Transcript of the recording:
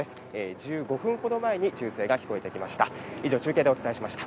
１５分ほど前に銃声が聞こえてきました。